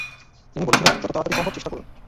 তিনি বলেছিলেন, 'যত তাড়াতাড়ি সম্ভব চেষ্টা করুন।'